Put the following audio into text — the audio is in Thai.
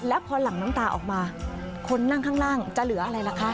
แล้วพอหลั่งน้ำตาออกมาคนนั่งข้างล่างจะเหลืออะไรล่ะคะ